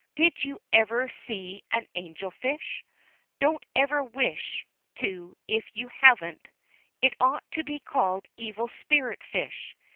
Did you ever see an angel fish? Don't ever wish to if you haven't. It ought to be called evil spirit fish.